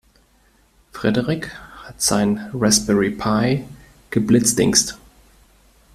Frederik hat seinen Raspberry Pi geblitzdingst.